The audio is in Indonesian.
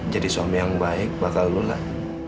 jadi suami yang baik bakal lu lah